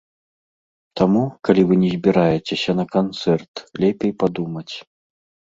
Таму, калі вы не збіраецеся на канцэрт, лепей падумаць.